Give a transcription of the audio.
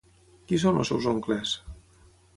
Qui són els seus oncles?